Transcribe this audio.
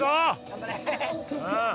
頑張れ！